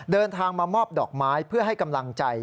เดินทางมามอบดอกไม้เพื่อให้กำลังใจ